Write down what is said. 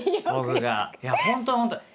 いや本当に本当に。